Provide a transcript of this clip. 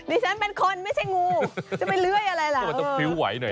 นี่ฉันเป็นคนไม่ใช่งู